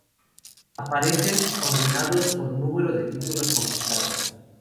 Aparecen ordenados por número de títulos conquistados.